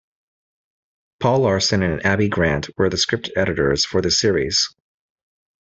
Paul Larson and Abi Grant were the script editors for this series.